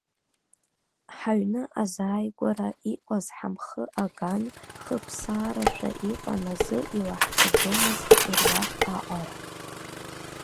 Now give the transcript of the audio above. Ҳаҩны азааигәара иҟаз ҳамхы аган хыԥсаарашәа иҟан азы илаҳҵаӡомызт ҵыруак аҟара.